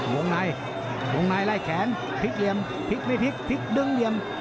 วงในวงในไล่แขนพลิกเหลี่ยมพลิกไม่พลิกพลิกดึงเหลี่ยม